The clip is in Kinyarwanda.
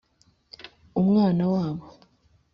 umwana wabo!